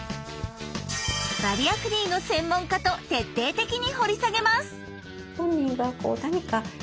バリアフリーの専門家と徹底的に掘り下げます。